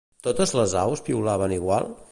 Totes les aus piulaven igual?